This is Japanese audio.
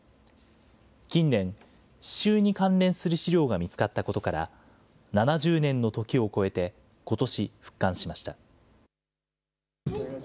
近年、詩集に関連する資料が見つかったことから、７０年の時を超えてことし復刊しました。